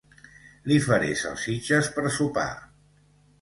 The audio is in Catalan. Li faré salsitxes per sopar